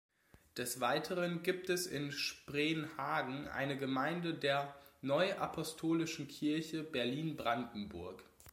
Des Weiteren gibt es in Spreenhagen eine Gemeinde der Neuapostolischen Kirche Berlin-Brandenburg.